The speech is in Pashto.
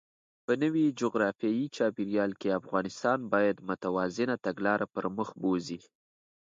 په نوي جغرافیايي چاپېریال کې، افغانستان باید متوازنه تګلاره پرمخ بوځي.